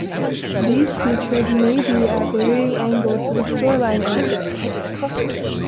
These features may be at varying angles to the shoreline and wave fronts.